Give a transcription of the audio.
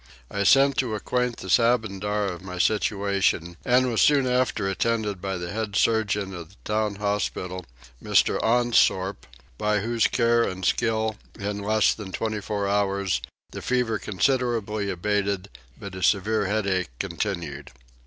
I sent to acquaint the Sabandar of my situation and was soon after attended by the head surgeon of the town hospital Mr. Aansorp, by whose care and skill in less than 24 hours the fever considerably abated but a severe headache continued.